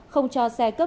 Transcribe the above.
không cho xe cấp